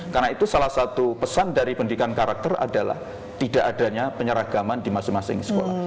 karena itu salah satu pesan dari pendidikan karakter adalah tidak adanya penyeragaman di masing masing sekolah